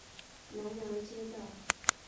南阳街道